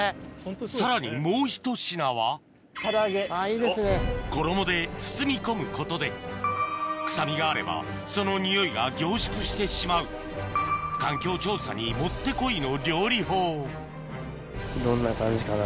さらにもうひと品は衣で包み込むことで臭みがあればそのニオイが凝縮してしまう環境調査にもってこいの料理法どんな感じかな。